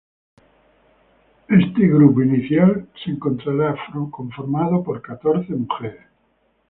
Ese grupo inicial se encontraba conformado por catorce mujeres.